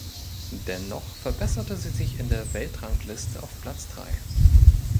Dennoch verbesserte sie sich in der Weltrangliste auf Platz drei.